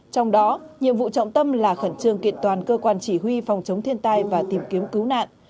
trong đó nhiệm vụ trọng tâm là khẩn trương kiện toàn cơ quan chỉ huy phòng chống thiên tai và tìm kiếm cứu nạn